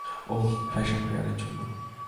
ওহ, fashion ফেয়ারের জন্য।